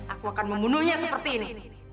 aku akan membunuhnya seperti ini